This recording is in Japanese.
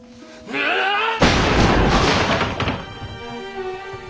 うあっ！